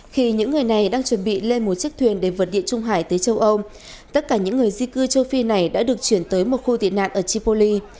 khi những người này đang chuẩn bị lên một chiếc thuyền để vượt địa trung hải tới châu âu tất cả những người di cư châu phi này đã được chuyển tới một khu tị nạn ở chipoli